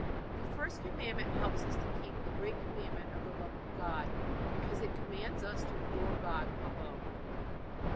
The first Commandment helps us to keep the great Commandment of the love of God because it commands us to adore God alone.